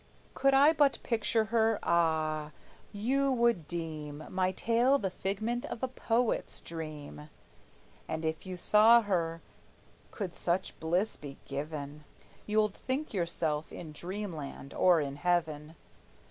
Could I but picture her ah, you would deem My tale the figment of a poet's dream; And if you saw her, (could such bliss be given), You'ld think yourself in dreamland or in heaven.